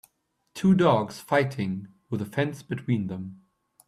Two dogs fighting with a fence between them.